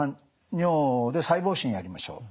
尿で細胞診やりましょう」。